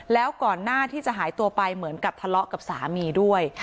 แล้วก่อนหน้าที่จะหายตัวไปเหมือนกับทะเลาะกับสามีด้วย